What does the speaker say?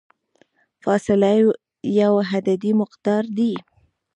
فاصله یو عددي مقدار دی.